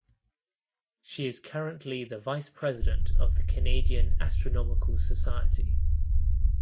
She is currently the Vice President of the Canadian Astronomical Society.